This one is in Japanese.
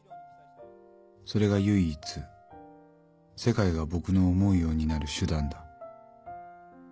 それが唯一世界が僕の思うようになる手段だ。